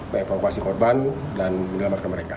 mengevakuasi korban dan menyelamatkan mereka